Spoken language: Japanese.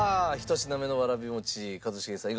１品目のわらび餅一茂さん